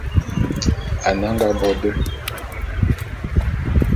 Ane a nga bo de.